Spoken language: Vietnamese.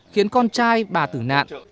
khiến con trai bà tử nạn